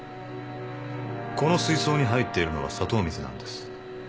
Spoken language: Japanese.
この水槽に入っているのは砂糖水なんです。